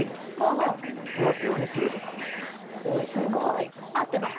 すごい！合ってます。